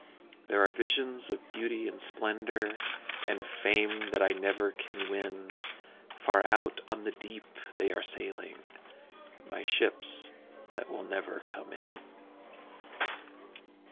There are visions of beauty and splendour, And a fame that I never can win Far out on the deep they are sailing My ships that will never come in.